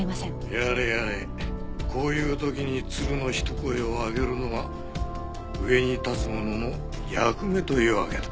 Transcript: やれやれこういう時に鶴の一声を上げるのが上に立つ者の役目というわけだ。